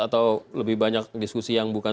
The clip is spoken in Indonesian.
atau lebih banyak diskusi yang bukan